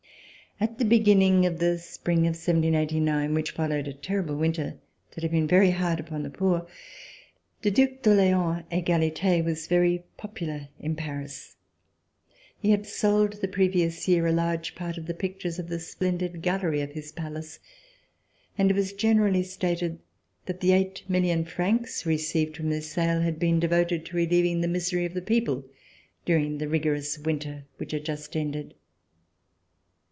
At the beginning of the spring of 1789, which fol lowed a terrible \\ inter that had been very hard upon the poor, the Due d'Orleans (Egalite) was very popular in Paris. He had sold, the previous year, a large part of the pictures of the splendid gallery of his palace, and it was generally stated that the eight million francs received from this sale had been de voted to relieving the misery of the people during the rigorous winter which had just ended.